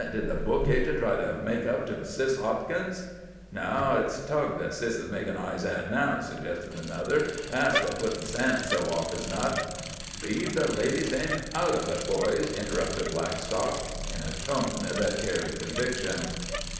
"Did the book agent try to make up to Sis Hopkins?" "No, it's Tug that Sis is making eyes at now," suggested another. "That's what's puttin' Sam so off his nut." "Leave the lady's name out of it, boys," interrupted Blackstock, in a tone that carried conviction.